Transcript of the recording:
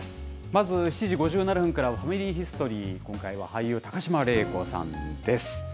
まず７時５７分からはファミリーヒストリー、今回は俳優、高島礼子さんです。